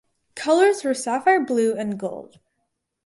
Colors were Sapphire Blue and Gold.